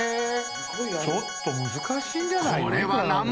ちょっと難しいんじゃない？